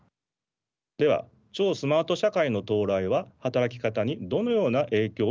では超スマート社会の到来は働き方にどのような影響を及ぼすのでしょうか。